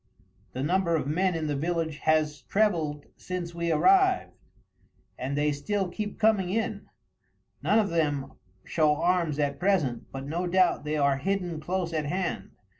"The number of men in the village has trebled since we arrived, and they still keep coming in. None of them show arms at present, but no doubt they are hidden close at hand.